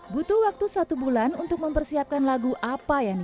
butuh waktu satu bulan untuk mempersiapkan lagu apa yang diperlukan